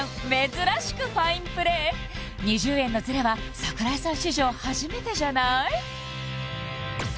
珍しくファインプレー２０円のズレは櫻井さん史上初めてじゃない？